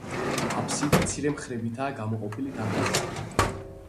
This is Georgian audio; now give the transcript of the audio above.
აფსიდი მცირე მხრებითაა გამოყოფილი დარბაზისაგან.